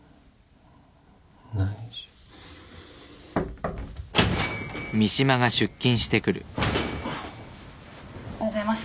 内緒・・おはようございます。